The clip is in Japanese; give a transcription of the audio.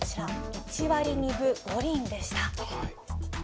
１割２分５厘でした。